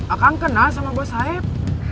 akang kenal sama buah saeb